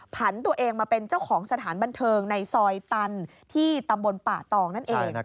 ผันตัวเองมาเป็นเจ้าของสถานบันเทิงในซอยตันที่ตำบลป่าตองนั่นเอง